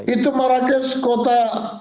itu marrakesh kota